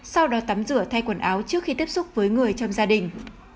sau đó tắm rửa thay quần áo trước khi tiếp xúc với người trong gia đình